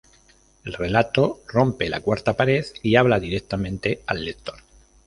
El relato rompe la cuarta pared y habla directamente al lector.